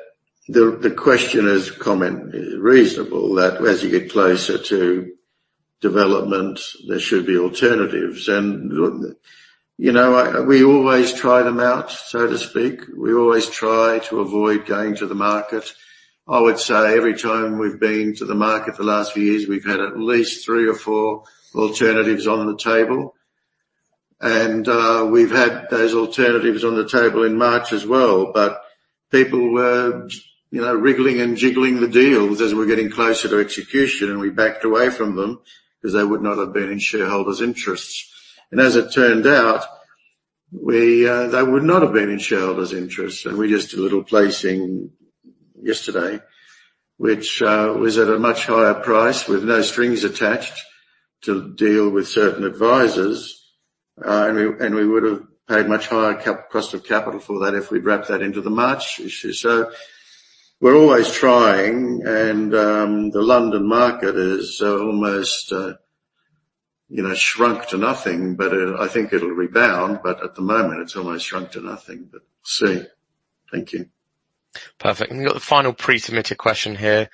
the questioner's comment is reasonable, that as you get closer to development, there should be alternatives. Look, you know, we always try them out, so to speak. We always try to avoid going to the market. I would say every time we've been to the market for the last few years, we've had at least three or four alternatives on the table. We've had those alternatives on the table in March as well. People were, you know, wriggling and jiggling the deals as we're getting closer to execution, and we backed away from them because they would not have been in shareholders' interests and as it turn out, we are not been in the shareholder's interests, and we just did a little placing yesterday, which was at a much higher price with no strings attached to deal with certain advisors. We would have paid much higher cost of capital for that if we'd wrapped that into the March issue. We're always trying and the London market is almost, you know, shrunk to nothing, but I think it'll rebound. At the moment, it's almost shrunk to nothing. We'll see. Thank you. Perfect. We've got the final pre-submitted question here.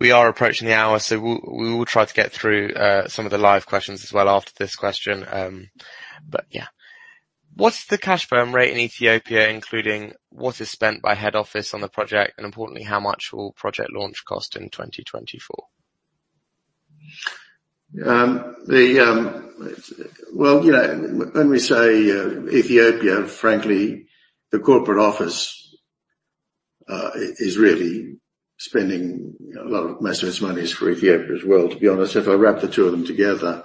We are approaching the hour so we will try to get through some of the live questions as well after this question. Yeah. What's the cash burn rate in Ethiopia, including what is spent by head office on the project? Importantly, how much will project launch cost in 2024? Well, you know, when we say Ethiopia, frankly, the corporate office is really spending a lot of management's monies for Ethiopia as well, to be honest. If I wrap the two of them together,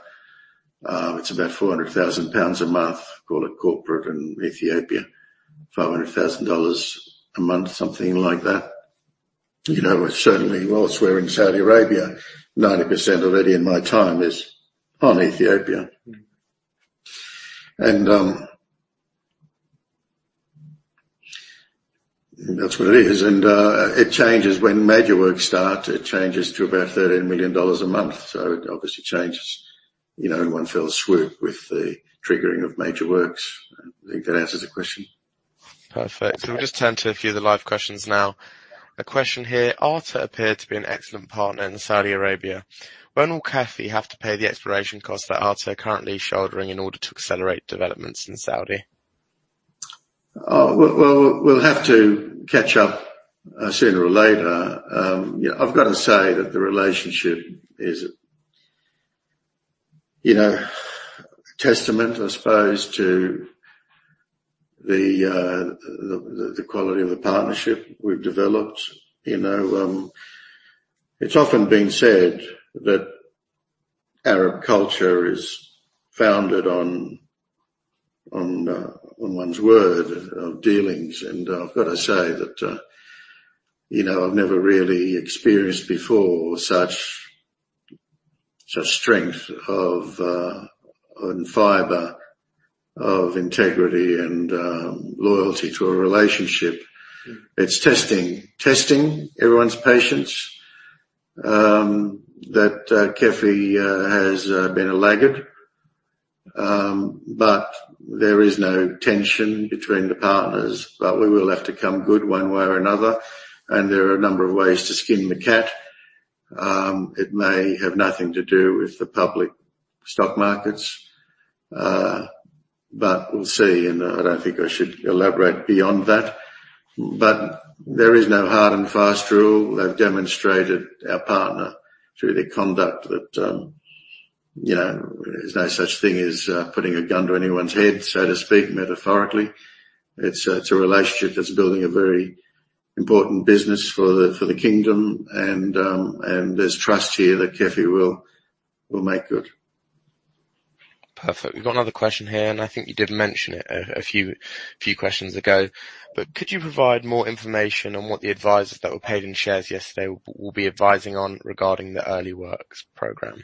it's about 400 thousand pounds a month, call it corporate and Ethiopia. $500 thousand a month, something like that. You know, it certainly whilst we're in Saudi Arabia, 90% already in my time is on Ethiopia. That's what it is. It changes. When major works start, it changes to about $13 million a month. It obviously changes, you know, in one fell swoop with the triggering of major works. I think that answers the question. Perfect. We'll just turn to a few of the live questions now. A question here. ARTAR appear to be an excellent partner in Saudi Arabia. When will KEFI have to pay the exploration costs that ARTAR are currently shouldering in order to accelerate developments in Saudi? We'll have to catch up sooner or later. Yeah, I've got to say that the relationship is, you know, a testament, I suppose, to the quality of the partnership we've developed. You know, it's often been said that Arab culture is founded on one's word of dealings. I've got to say that, you know, I've never really experienced before such strength of character and fiber of integrity and loyalty to a relationship. It's testing everyone's patience that KEFI has been a laggard. There is no tension between the partners. We will have to come good one way or another and there are a number of ways to skin the cat. It may have nothing to do with the public stock markets, but we'll see. I don't think I should elaborate beyond that. There is no hard and fast rule. They've demonstrated, our partner, through their conduct that, you know, there's no such thing as putting a gun to anyone's head, so to speak, metaphorically. It's a relationship that's building a very important business for the kingdom and there's trust here that KEFI will make good. Perfect. We've got another question here and I think you did mention it a few questions ago. Could you provide more information on what the advisors that were paid in shares yesterday will be advising on regarding the early works program?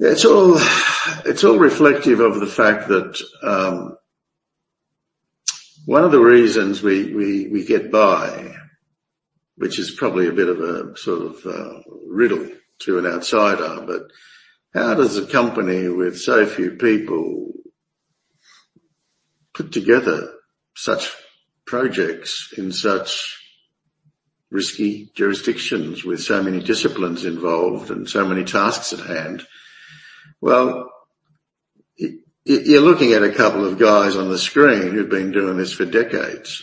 It's all reflective of the fact that one of the reasons we get by, which is probably a bit of a sort of riddle to an outsider but how does a company with so few people put together such projects in such risky jurisdictions with so many disciplines involved and so many tasks at hand? Well, you're looking at a couple of guys on the screen who've been doing this for decades.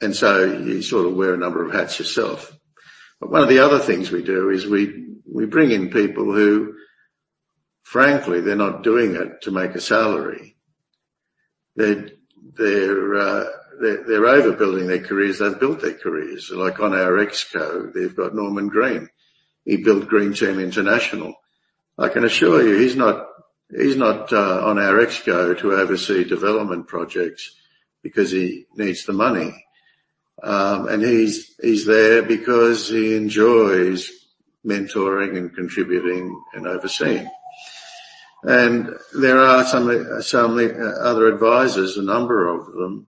You sort of wear a number of hats yourself. One of the other things we do is we bring in people who, frankly, they're not doing it to make a salary. They're overbuilding their careers. They've built their careers. Like on our Exco, they've got Norman Green. He built Green Team International. I can assure you, he's not on our Exco to oversee development projects because he needs the money. He's there because he enjoys mentoring and contributing and overseeing. There are so many other advisors, a number of them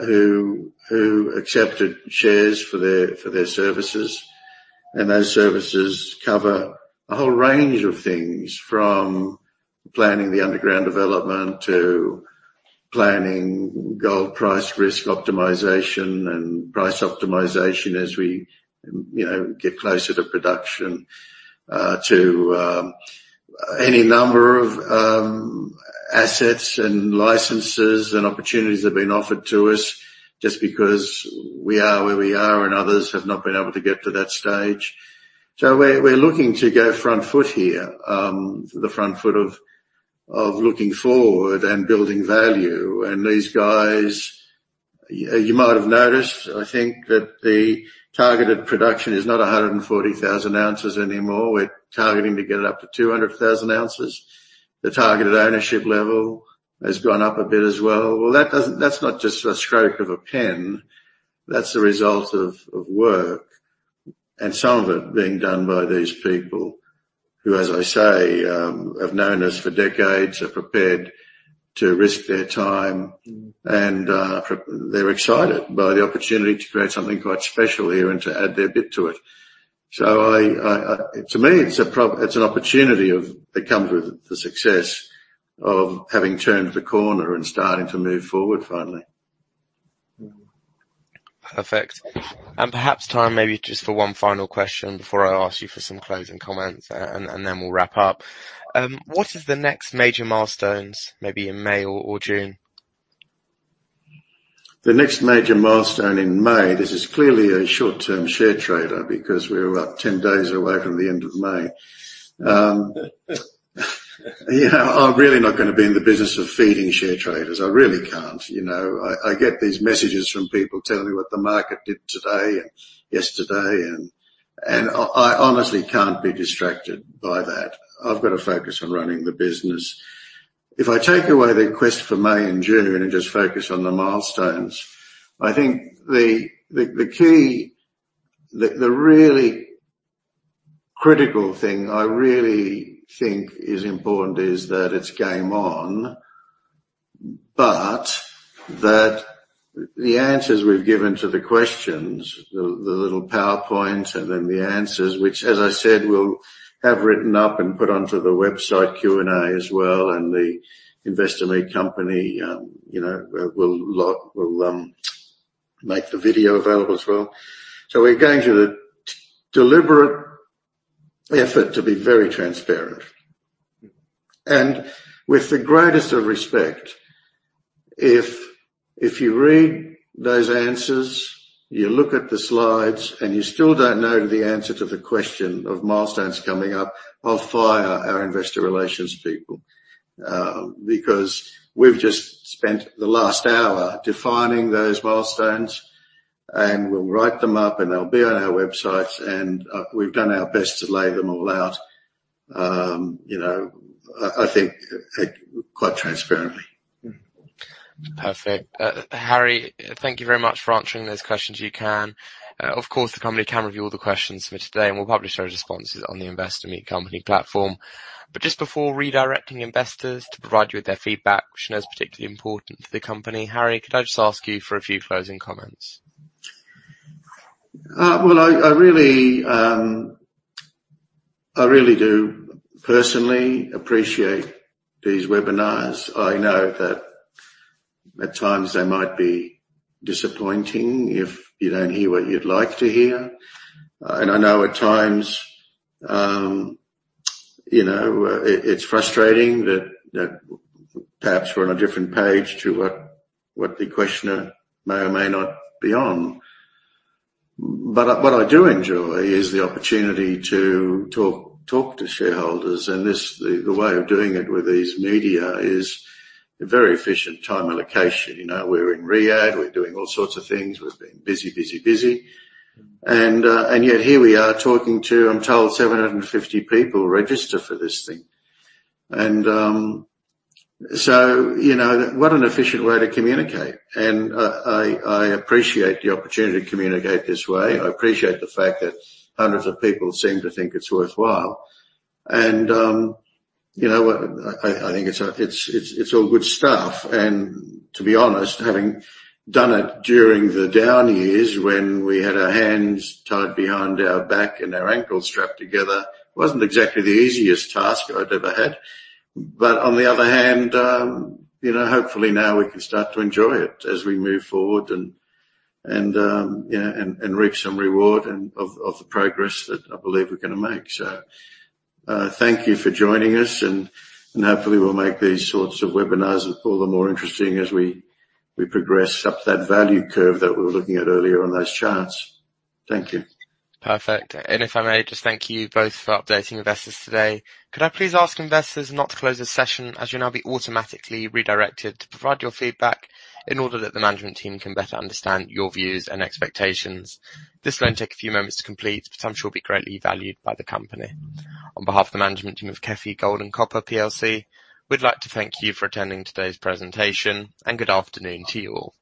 who accepted shares for their services. Those services cover a whole range of things, from planning the underground development to planning gold price risk optimization and price optimization as we, you know, get closer to production, to any number of assets and licenses and opportunities that have been offered to us just because we are where we are and others have not been able to get to that stage. We're looking to go front foot here, the front foot of looking forward and building value. These guys, you might have noticed, I think, that the targeted production is not 140,000 ounces anymore. We're targeting to get it up to 200,000 ounces. The targeted ownership level has gone up a bit as well. Well, that's not just a stroke of a pen. That's the result of work, and some of it being done by these people who, as I say, have known us for decades are prepared to risk their time and they're excited by the opportunity to create something quite special here and to add their bit to it. I, to me, it's an opportunity that comes with the success of having turned the corner and starting to move forward finally. Perfect. Perhaps time maybe just for one final question before I ask you for some closing comments and then we'll wrap up. What is the next major milestones, maybe in May or June? The next major milestone in May. This is clearly a short-term share trader because we're about 10 days away from the end of May. You know, I'm really not gonna be in the business of feeding share traders. I really can't, you know. I get these messages from people telling me what the market did today and yesterday and I honestly can't be distracted by that. I've got to focus on running the business. If I take away the quest for May and June and just focus on the milestones, I think the key, the really critical thing I really think is important is that it's game on. That the answers we've given to the questions, the little PowerPoint and then the answers, which as I said, we'll have written up and put onto the website Q&A as well and the Investor Meet Company, you know, will make the video available as well. We're going to make a deliberate effort to be very transparent. With the greatest of respect, if you read those answers, you look at the slides and you still don't know the answer to the question of milestones coming up, I'll fire our investor relations people. Because we've just spent the last hour defining those milestones and we'll write them up and they'll be on our websites, and we've done our best to lay them all out, you know, I think, quite transparently. Perfect. Harry, thank you very much for answering those questions you can. Of course, the company can review all the questions for today and we'll publish our responses on the Investor Meet Company platform. Just before redirecting investors to provide you with their feedback which I know is particularly important for the company, Harry, could I just ask you for a few closing comments? Well, I really do personally appreciate these webinars. I know that at times they might be disappointing if you don't hear what you'd like to hear. I know at times, you know, it's frustrating that perhaps we're on a different page to what the questioner may or may not be on. What I do enjoy is the opportunity to talk to shareholders, and this, the way of doing it with these media is a very efficient time allocation. You know, we're in Riyadh, we're doing all sorts of things. We've been busy, busy, busy. Yet here we are talking to, I'm told 750 people registered for this thing. You know, what an efficient way to communicate. I appreciate the opportunity to communicate this way. I appreciate the fact that hundreds of people seem to think it's worthwhile. You know, I think it's all good stuff. To be honest, having done it during the down years when we had our hands tied behind our back and our ankles strapped together, it wasn't exactly the easiest task I'd ever had but on the other hand, you know, hopefully now we can start to enjoy it as we move forward and reap some reward of the progress that I believe we're gonna make. Thank you for joining us and hopefully we'll make these sorts of webinars all the more interesting as we progress up that value curve that we were looking at earlier on those charts. Thank you. Perfect. If I may just thank you both for updating investors today. Could I please ask investors not to close this session, as you'll now be automatically redirected to provide your feedback in order that the management team can better understand your views and expectations. This will only take a few moments to complete but I'm sure it'll be greatly valued by the company. On behalf of the management team of KEFI Gold and Copper PLC, we'd like to thank you for attending today's presentation and good afternoon to you all.